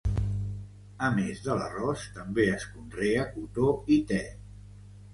A més de l'arròs, també es conrea cotó i te.